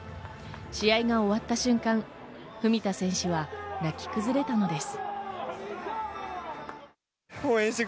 試合が終わった瞬間、文田選手は泣き崩れたのです。